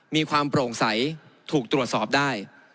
มีความโปร่งใสถูกตรวจสอบได้